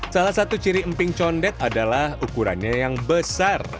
salah satu ciri emping condet adalah ukurannya yang besar